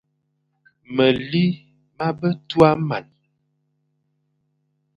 Meli ma be tua man,